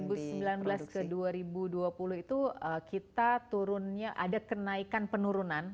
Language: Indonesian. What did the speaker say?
jadi dari dua ribu sembilan belas ke dua ribu dua puluh itu kita turunnya ada kenaikan penurunan